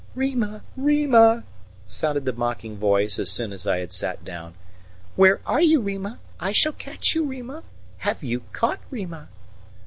"Rima, Rima!" sounded the mocking voice as soon as I had sat down. "Where are you, Rima? I shall catch you, Rima! Have you caught Rima?"